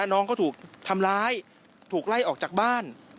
น้องก็ถูกทำร้ายถูกไล่ออกจากบ้าน